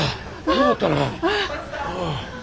よかったな。